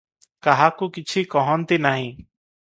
କାହାକୁ କିଛି କହନ୍ତି ନାହିଁ ।